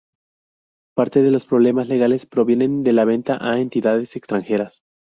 Parte de los problemas legales provienen de la venta a entidades extranjeras.